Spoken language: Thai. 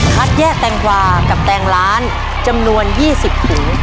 แยกแตงกวากับแตงล้านจำนวน๒๐ถุง